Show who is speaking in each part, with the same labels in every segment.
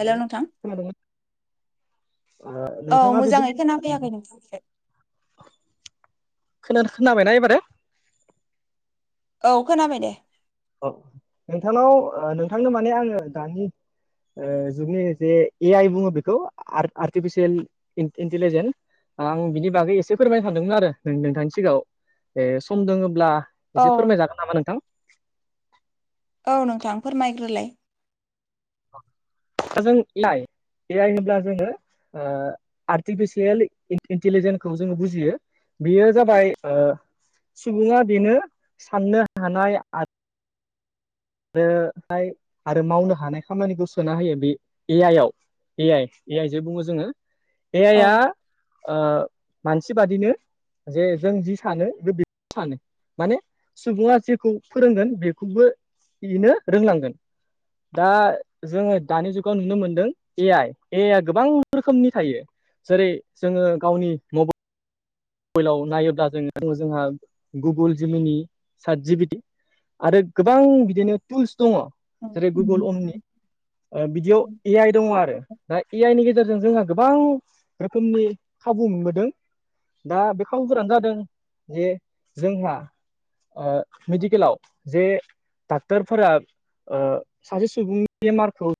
Speaker 1: हेल' नोंथां
Speaker 2: खोनादोंमोन
Speaker 1: औ
Speaker 2: नोंथाङा जुदि
Speaker 1: मोजाङै खोनाफैयाखै नोंथांनिफ्राय
Speaker 2: खोनानो खोनाबायना एबारो?
Speaker 1: औ खोनाबाय दे।
Speaker 2: औ नोंथांनाव ओ नोंथांनो माने आङो दानि ओ जुगनि जे ए आइ बुङो बेखौ आर्टिफिसियेल इन्टिलिजेन्स आं बिनि बागै एसे फोरमायनो सानदोंमोन आरो नोंथांनि सिगाङाव ए सम दोङब्ला?
Speaker 1: औ
Speaker 2: एसे फोरमायजागोन नामा नोंथां।
Speaker 1: औ नोंथांफोर माइग्रोलाय
Speaker 2: दा जों एइ आइ एइ आइ जोङो ओ आर्टिफिसियेल इन्टिलिजेन्खौ जोङो बुजियो बेयो जाबाय ओ सुबुङा बेनो साननो हानाय आरो आरो हायो आरो मावनो हानाय खामानिखौ सोना होयो बे एइ आइ आव एइ आइ एइ आइ जे बुजोङो एइ
Speaker 1: औ
Speaker 2: आइ आ ओ मानसि बादिनो जे जों जि सानो बे बेखौ सानो माने सुबुङा जेखौ फोरोंगोन बेखौबो इनो रोंलांगोन दा जोङो दानि जुगाव नुनो मोनदों ए आइ ए आइ आ गोबां रोखोमनि थायो। जेरै जोङो गावनि मबाइल माइलाव नायोब्ला जोङो जोंहा गुगोल जिमिनि सात जिबिटि आरो गोबां बिदिनो टुल्स दङ
Speaker 1: औ
Speaker 2: जेरै गुगोल अननि ओ बिदियाव ए आइ दङ आरो दा ए आइ नि गेजेरजों जोंहा गोबां रोखोमनि खाबु मोनबोदों दा बे खाबुफोरानो जादों जे जोंहा ओ मेडिकेलाव जे डक्टरफोरा ओ सासे सुबुंनि मारखौ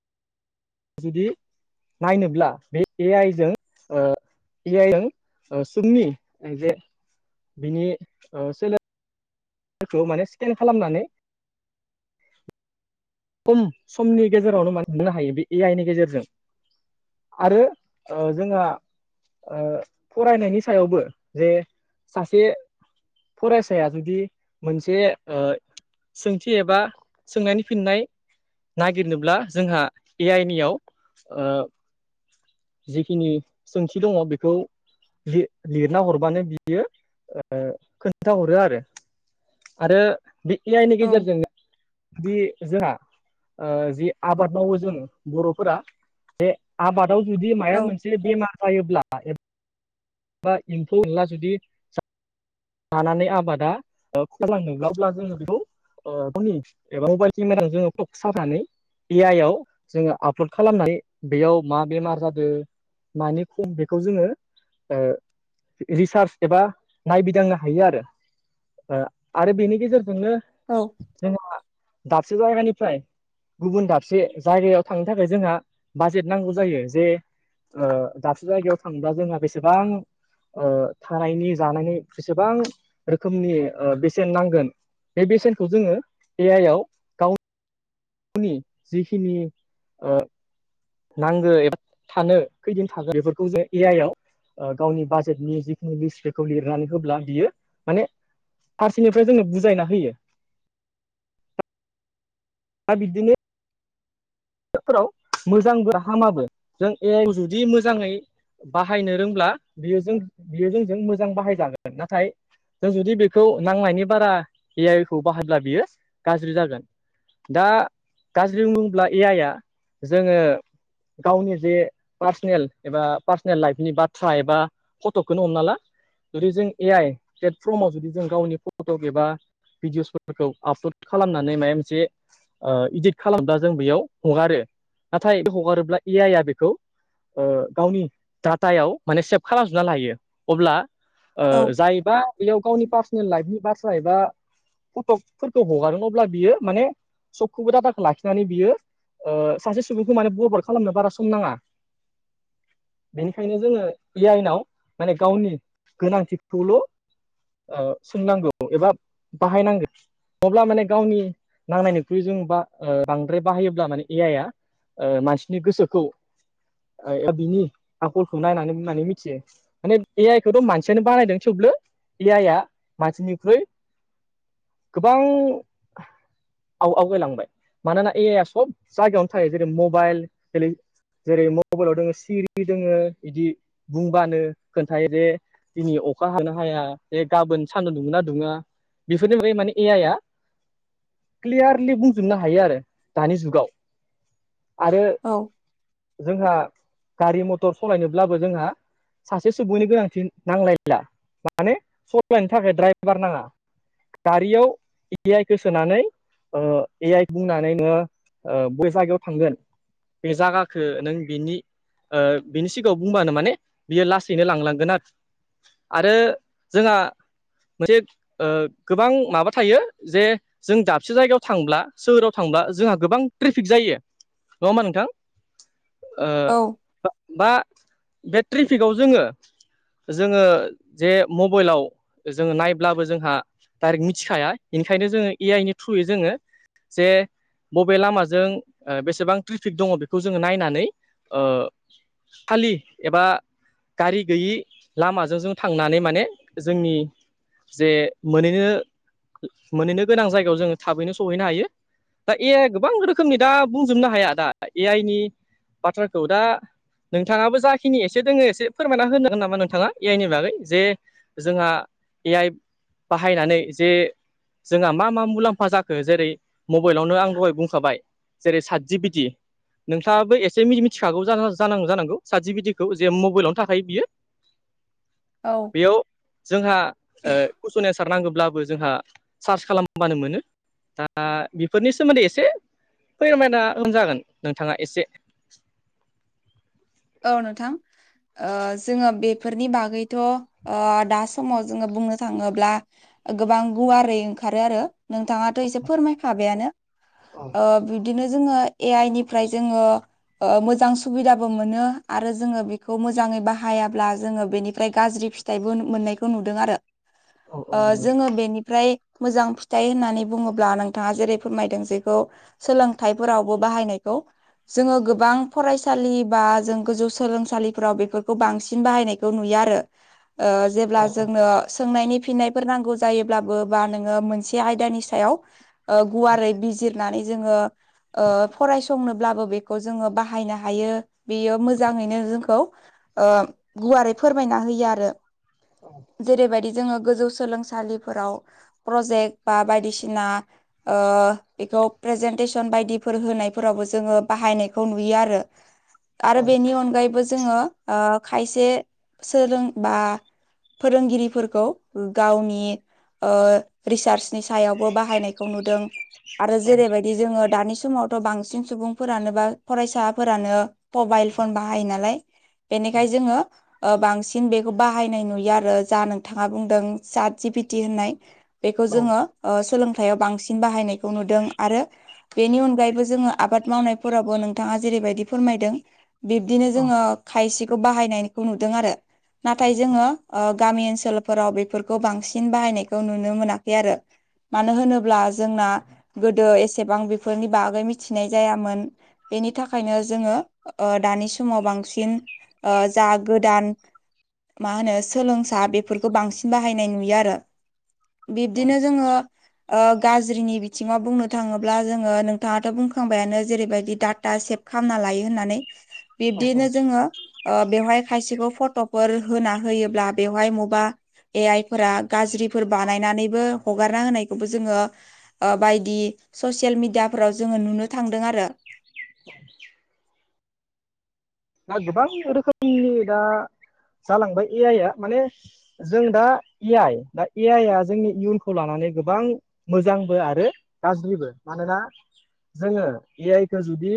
Speaker 2: जुदि नायनोब्ला बे ए आइ जों ओ ए आइ सुमनि जे बिनि सोलाय फोरखौ माने स्केन खालामनानै खम समनि गेजेरावनो मान मोननो हायो बे ए आइ नि गेजेरजों आरो ओ जोंहा ओ फरायनायनि सायावबो जे सासे फरायसाया जुदि मोनसे ओ सोंथि एबा सोंनानै फिननाय नागिरनोब्ला जोंहा ए आइ नियाव ओ जिखिनि सोंथि दङ बेखौ लि -लिरना हरबानो बियो ओ खोन्थााहरो आरो आरो बे ए आइ नि
Speaker 1: औ
Speaker 2: गेजेरजों दि जोंहा ओ जि आबाद मावो जों बर'फोरा जे आबादाव जुदि
Speaker 1: औ
Speaker 2: माया मोनसे बेमार जायोब्ला बा एम्फौ एनला जुदि लानानै आबादा खलांनोब्लाब्ला जोङो बेखौ ओ कनि एबा मबाइल केमेर जोङो फक् सनानै ए आइ आव जोङो आपलड खालामनानै बेयाव मा बेमार जादों मानि खम बेखौ जोङो ओ रिसार्च एबा नायबिदांनो हायो आरो ओ आरो बेनि गेजेरजोंनो
Speaker 1: औ
Speaker 2: जोंहा दाबसे जायगानिफ्राय गुबुन दाबसे जायगायाव थांनो थाखाय जोंहा बाजेट नांगौ जायो जे दाबसे जायगायाव थांबा जोंहा बेसेबां थानायनि जानायनि बेसेबां रोखोमनि बेसेन नांगोन बे बेसेनखौ जोङो ए आइ याव [unintelligible] जिखिनि नांगौ एबा थानो खैदिन थागोन बेफोरखौ जों ए आइ आव गावनि बाजेटनि जिखिनि लिस्ट बेखौ लिरनानै होब्ला बियो माने फारसेनिफ्राय जोंनो बुजायना होयो। दा बिदिनो फोराव मोजांबो हामाबो जों ए आइ जुदि मोजाङै बाहायनो रोंब्ला बियो जों बियो जोंजों मोजां बाहायजागोन नाथाय जों जुदि बेखौ नांनायनि बारा ए आइ खौ बाहायब्ला बियो गाज्रि जागोन दा गाज्रि बुंब्ला ए आइ आ जोङो गावनि जे पार्सनेल एबा पार्सनेल लाइफनि बाथ्रा एबा फटकखौनो हमना ला जुदि जों ए आइ प्लेटफर्माव जुदि जों गावनि फट'क एबा भिडिअ'सफोरखौ आपल'ड खालामनानै माबा मोनसे इदिट खालाम दा जों बेयाव हगारो नाथाय बे हगारोब्ला ए आइ आ बेखौ गावनि डाटायाव माने सेभ खालामजोबना लायो अब्ला
Speaker 1: औ
Speaker 2: जायोबा बेयाव गावनि पार्सनेल लाइफनि बाथ्रा एबा फटकफोरखौ हगारो अब्ला बियो माने सबखौबो डाटाखौ लाखिनानै बियो सासे सुबुंखौ माने बरबाद खालामनो बारा सम नाङा बेनिखायनो जोङो ए आइ नाव माने गावनि गोनांथिखौल' सोंनांगौ एबा बाहायनांगोन अब्ला माने गावनि नांनायनिख्रुइ जों बा बांद्राय बाहायोब्ला माने ए आइ आ मानसिनि गोसोखौ बिनि आखलखौ नायनानै बुंनानै मिथियो माने ए आइखौथ' मानसियानो बानायदों थेवब्लो ए आइ आ मानसिनिख्रुइ गोबां आव- आवगायलांबाय मानोना ए आइ आ सब जायगायावनो थायो जेरै मबाइल जेरै मबाइलाव दोङो सिरि दोङो एदि बुंबानो खोन्थायो जे दिनै अखा हागोन ना हाया बे गाबोन सान्दुं दुङो ना दुङा बेफोरनि बागै माने ए आइ आ क्लियारलि बुंजोबनो हायो आरो दानि जुगाव आरो
Speaker 1: औ
Speaker 2: जोंहा गारि-मथर सालायनोब्लाबो जोंहा सासे सुबुंनि गोनांथि नांलायला माने सलायनो थाखाय द्राइभार नाङा गारियाव ए आइ खौ सोनानै ए आइ बुंनानैनो बै जायगायाव थांगोन बे जायगाखो नों बिनि बिनि सिगाङाव बुंबानो माने बियो लासैनो लां -लांगोन आरो आरो जोंहा मोनसे गोबां माबा थायो जे जों दाबसे जायगायाव थांब्ला सोहोराव थांब्ला जोंहा गोबां ट्रेफिक जायो नङा होमबा नोंथां बा बे ट्रेफिकआव जोङो जोङो जे मबाइलाव जोङो नायब्लाबो जोंहा डाइरेक्ट मिथिखाया बेनिखायनो जोङो ए आइ नि थ्रुयै जोङो जे बबे लामाजों जों बेसेबां ट्रेफिक दङ बेखौ जोङो नायनानै खालि एबा गारि गैयि लामाजों जों थांनानै माने जोंनि जे मोनहैनो मोनहैनो गोनां जायगायाव जोङो थाबैनो सहैनो हायो दा ए आइ गोबां रोखोमनि दा बुंजोबनो हाया दा ए आइ नि बाथ्राखौ दा नोंथाङाबो जाखिनि एसे दोङो एसे फोरमायना होनो हागोन नामा नोंथाङा ए आइनि बागै जे जोंहा ए आइ बाहायनानै जे जोंहा मा मा मुलाम्फा जाखो जेरै मबाइलावनो आं दहाय बुंखाबाय जेरै सात जि पि टि नोंथाङाबो एसे मि-मिथिखागौ जा-जानांगौ जानांगौ सात जि पि टि खौ जे मबाइलावनो थाखायो बियो
Speaker 1: औ
Speaker 2: बेयाव जोंहा ओ कुइसन एन्सार नांगौब्लाबो जोंहा सार्च खालामबानो मोनो दा बेफोरनि सोमोन्दै एसे [unintelligible] जागोन नोंथाङा एसे
Speaker 1: औ नोंथां ओ जोङो बेफोरनि बागैथ' ओ दा समाव जोङो बुंनो थाङोब्ला ओ गोबां गुवारै ओंखारो आरो नोंथाङाथ' एसे फोरमायखाबायानो ओ बिब्दिनो जोङो ए आइ निफ्राय जोङो ओ मोजां सुबिदाबो मोनो आरो जोङो बेखौ मोजाङै बाहायाब्ला जोङो बेनिफ्राय गाज्रि फिथाइबो मोननायखौ नुदों आरो ओ जोङो बेनिफ्राय मोजां फिथाइ होननानै बुङोब्ला नोंथाङा जेरै फोरमायदों जेखौ सोलोंथाइफोरावबो बाहायनायखौ जोङो गोबां फरायसालि बा जों गोजौ सोलोंसालिफ्राव बेफोरखौ बांसिन बाहायनायखौ नुयो आरो ओ जेब्ला जोंनो सोंनायनि फिननायफोर नांगौ जायोब्लाबो बा नोङो मोनसे आयदानि सायाव ओ गुवारै बिजिरनानै जोङो ओ फरायसंनोब्लाबो बेखौ जोङो बाहायनो हायो बेयो मो जाङैनो जोंखौ ओ गुवारै फोरमायना होयो आरो जेरैबायदि जोङो गोजौ सोलोंसालि फोराव प्रजेक्ट बा बायदिसिना ओ एखौ प्रेजेन्टेसन बायदिफोर होनायफोरावबो जोङो बाहायनायखौ नुयो आरो आरो बेनि अनगायैबो जोङो खायसे ओ सोलोंबा फोरोंगिरिफोरखौ गावनि ओ रिसार्चनि सायावबो बाहायनायखौ नुदों आरो जेरैबाय दि जोङो दानि समावथ' बांसिन सुबुंफोरानो बा फरायसाफोरानो मबाइल फन बाहायो नालाय बेनिखायनो जोङो ओ बांसिन बेखौ बाहायनाय नुयो आरो जा नोंथाङा बुंदों सात जि पि टि होननाय बेखौ
Speaker 2: औ
Speaker 1: जोङो सोलोंथाइयाव बांसिन बाहायनायखौ नुदों आरो बेनि अनगायैबो जोङो आबाद मावनायफोरावबो नोंथाङा जेरैबायदि फोरमायदों बिब्दिनो जोङो खायसेखौ बाहायनायखौ नुदों आरो नाथाय जोङो ओ गामि ओनसोलफोराव बेफोरखौ बांसिन बाहायनायखौ नुनो मोनाखै आरो मानो होनोब्ला जोंना गोदो एसेबां बि फोरनि बागै मिथिनाय जायामोन बेनि थाखायनो जोङो ओ दानि समाव बांसिन ओ जा गोदान मा होनो सोलोंसा बेफोरखौ बांसिन बाहायनाय नुयो आरो बिब्दिनो जोङो गाज्रिनि बिथिङाव बुंनो थाङोब्ला जोङो नोंथाङाथ' बुंखांबायानो जेरैबायदि डाटा सेफ खालामना लायो होननानै
Speaker 2: औ औ
Speaker 1: बिब्दिनो जोङो बेवहाय खायसेखौ फट'फोर होना होयोब्ला बेवहाय मबा ए आइ फोरा गाज्रिफोर बानायनानैबो हगारना होनायखौबो जोङो ओ बायदि ससियेल मिडियाफोराव जोङो नुनो थांदों आरो
Speaker 2: दा गोबां रोखोमनि दा जालांबाय ए आइ आ माने जों दा ए आइ दा ए आइ आ जोंनि इयुनखौ लानानै गोबां मोजांबो आरो गाज्रिबो मानोना जोङो ए आइ खो जुदि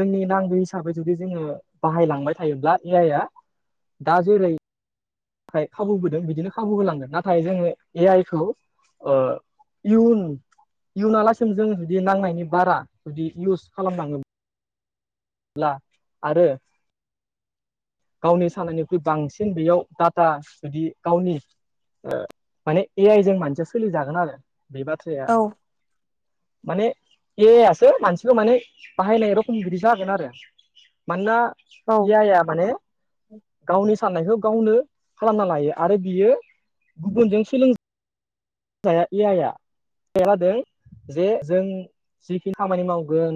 Speaker 2: जोंनि नांगो हिसाबै जुदि जोङो बाहायलांबाय थायोब्ला ए आइआ दा जेरै खाबु होदों बिदिनो खाबु होलांगोन नाथाय जोङो ए आइ खौ आ इउन इयुनलासिम जों जुदि नांनायनि बारा जुदि इउस खालामलाङो ला आरो गावनि सानायनिख्रुइ बांसिन बेैयाव डाटा जुदि गावनि माने ए आइ जों मानसिया सोलिजागोन आरो बे बाथ्राया
Speaker 1: औ
Speaker 2: माने ए आइ सो मानसिखो माने बाहायनाय रखम बिदि जागोन आरो। मानोना
Speaker 1: औ
Speaker 2: ए आइ आ माने गावनि साननायखो गावनो खालामना लायो आरो बियो गुबुनजों सोलों जाया ए आइ लादों जे जों जिखिनि खामानि मावगोन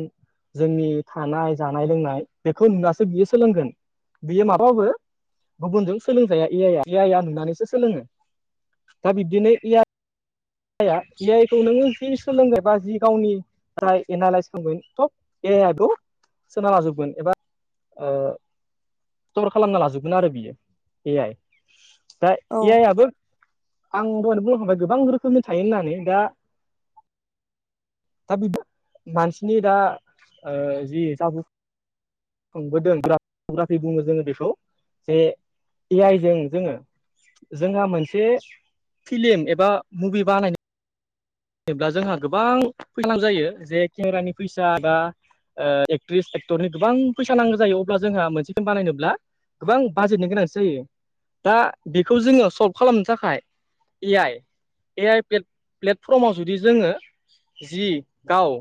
Speaker 2: जोंनि थानाय जानाय लोंनाय बेखौ नुनासो बियो सोलोंगोन बियो माबाबो गुबुनजों सोलोंजाया ए आइ ए आइ आ नुनानैसो सोलोङो दा बिदिनो ए आइ ए आइ आ, ए आइखौ नोङो जि सोलोंगबाय बा जि गावनि नाथाय एनालइस खालामगोन थ' ए आइ इखौ सोना लाजोबगोन एबा स्टर खालामना लाजोबगोन आरो बियो ए आइ। दा
Speaker 1: औ
Speaker 2: ए आइ आबो आं दहायनो बुं हाबाय गोबां रो खोमनि थायो होननानै दा दा बिबो मानसिनि दा ओ जि जा बुं खोंबोदों ग्राफि बुङो जोङो बेखौ बे ए आइजों जोङो जोंहा मोनसे फिल्म एबा मुभि बानायनो जेब्ला जोंहा गोबां फैसा नांगौ जायो जे केमेरानि फैसा दा ओ एक्ट्रिस एक्टरनि गोबां फैसा नांगौ जायो अब्ला जोंहा मोनसे फिल्म बानायनोब्ला गोबां बाजेटनि गोनांथि जायो। दा बेखौ जोङो सल्भ खालामनो थाखाय ए आइ ए आइ प्लेट फ्रमाव जुदि जोङो जि गाव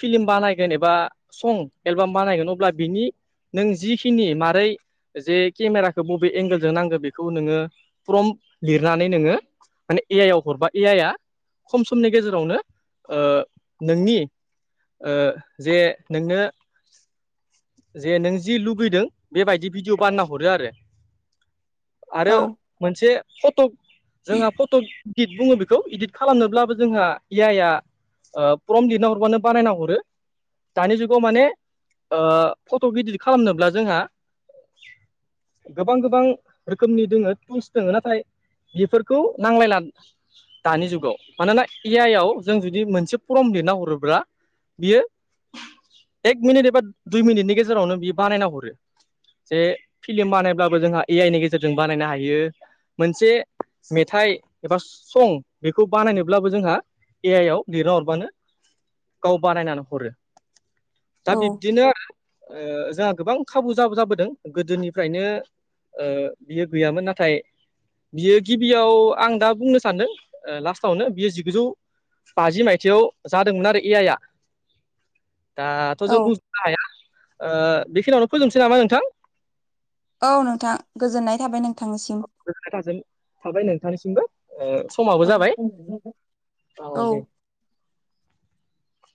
Speaker 2: फिल्म बानायगोन एबा सं एलबाम बानायगोन अब्ला बिनि नों जिखिनि मारै जे केमेराखौ बबे एंगोलजों नांगो बेखौ नोङो प्रम लिरनानै नोङो माने ए आइ आव हरबा ए आइ आ खम समनि गेजेरावनो ओ नोंनि ओ जे नोंनो जे नों जि लुगैदों बेबायदि भिडिअ' बानायना हरो आरो। आरो
Speaker 1: औ
Speaker 2: मोनसे फट' जोंहा फट' इदित बुङो बेखौ इदिट खालामनोब्लाबो जोंहा इ आइआ ओ प्रम लिरना हरबानो बानायना हरो। दानि जुगाव माने ओ फट' इदिट खालामनोब्ला जोंहा गोबां गोबां रोखोमनि दोङो टुल्स दोङो नाथाय बेफोरखौ नांलायला दानि जुग मानोना ए आइ आव जों जुदि मोनसे फर्म लिरना हरोब्ला बियो एक मिनिट एबा दुइ मिनिटनि गेजेरावनो बियो बानायना हरो। जे फिल्म बानायब्लाबो जोंहा ए आइ नि गेजेरजों बानायनो हायो। मोनसे मेथाइ एबा सं बेखौ बानायनोब्लाबो जोंहा ए आइ आव लिरना हरबानो गाव बानायनानै हरो। दा बिब्दिनो आरो ओ जोंहा गोबां खाबु जाबो जाबोदों गोदोनिफ्रायनो ओ बियो गैयामोन नाथाय बियो गिबियाव आं दा बुंनो सानदों लास्टावनो बियो जिगुजौ बाजि मायथाइयाव जादोंमोन आरो ए आइ आ
Speaker 1: [inaudible]
Speaker 2: दाथ'
Speaker 1: औ
Speaker 2: जों बुंजोबनो हाया बेखिनियावनो फोजोबनोसै नामा नोंथां।
Speaker 1: औ नोंथां गोजोननाय थाबाय नोंथांनिसिम
Speaker 2: गोजोनाय थाजों थाबाय नोंथांनिसिमबो समाबो
Speaker 1: औ
Speaker 2: जाबाय औ दे।